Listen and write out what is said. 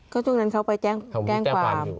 ก็ช่วงนั้นเขาไปแจ้งความ